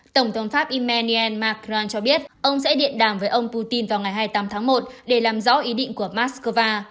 tổng thống pháp emmaniel macron cho biết ông sẽ điện đàm với ông putin vào ngày hai mươi tám tháng một để làm rõ ý định của moscow